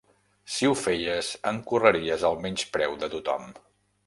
Si ho feies, encorreries el menyspreu de tothom!